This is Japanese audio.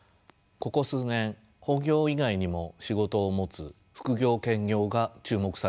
ここ数年本業以外にも仕事を持つ副業・兼業が注目されています。